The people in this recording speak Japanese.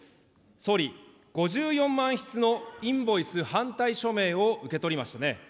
総理、５４万筆のインボイス反対署名を受け取りましたね。